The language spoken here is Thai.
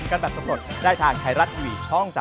โอ้โห